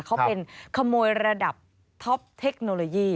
เขาเป็นขมโยระดับสุดบันที่